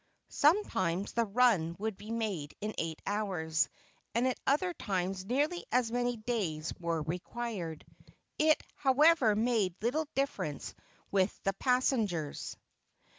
Sometimes the run would be made in eight hours, and at other times nearly as many days were required. It, however, made little difference with the passengers.